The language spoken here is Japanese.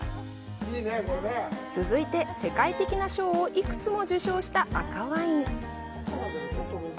続いて世界的な賞を幾つも受賞した赤ワイン。